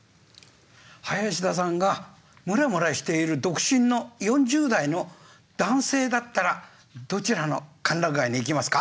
林田さんがムラムラしている独身の４０代の男性だったらどちらの歓楽街に行きますか？